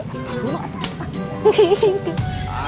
atas dulu atas dulu